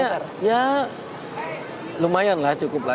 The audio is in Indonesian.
ya lumayan lah cukup lah